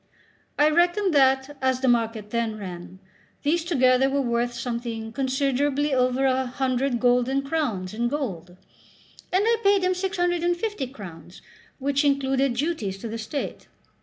I reckoned that, as the market then ran, these together were worth something considerably over a hundred golden crowns in gold; and I paid him 650 crowns, which included duties to the state.